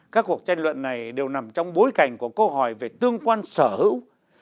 các cuộc tranh luận này đều nằm trong bối cảnh của câu hỏi về tương quan sở hữu